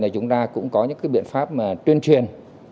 chúng ta cũng có những biện pháp tuyên truyền